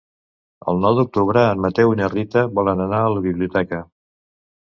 El nou d'octubre en Mateu i na Rita volen anar a la biblioteca.